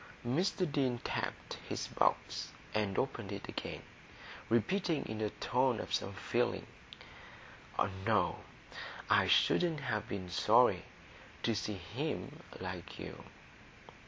Mr Deane tapped his box and opened it again, repeating in a tone of some feeling, "No, I shouldn't have been sorry to see him like you."